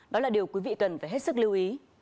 đó là điều quý vị cần phải hết sức lưu ý